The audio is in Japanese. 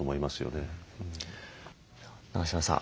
永島さん